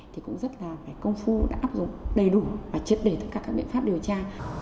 thì cũng rất là phải công phu đã áp dụng đầy đủ và triệt đề tất cả các biện pháp điều tra